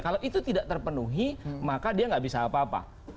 kalau itu tidak terpenuhi maka dia nggak bisa apa apa